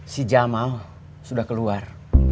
si jamal sudah keluar